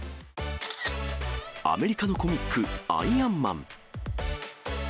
アメリカのコミック、アイアンマン。